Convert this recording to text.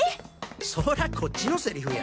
そらこっちのセリフや。